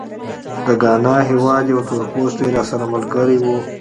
د ګانا هېواد یو تورپوستی راسره ملګری و.